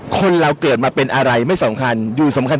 คนเราเกิดมาเป็นอะไรไม่สำคัญ